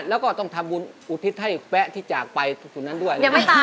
แล้วก็ต้องทำบุญอุทิศให้แวะที่จากไปจุดนั้นด้วย